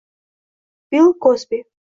Bil Kozbi